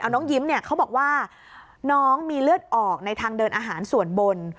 น้องยิ้มเนี่ยเขาบอกว่าน้องมีเลือดออกในทางเดินอาหารส่วนบน